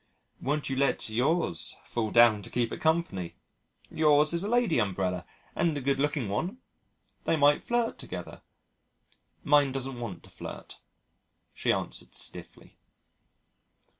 Won't you let yours fall down to keep it company? Yours is a lady umbrella and a good looking one they might flirt together." "Mine doesn't want to flirt," she answered stiffly.